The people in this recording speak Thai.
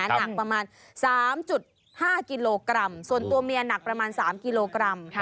หนักประมาณ๓๕กิโลกรัมส่วนตัวเมียหนักประมาณ๓กิโลกรัม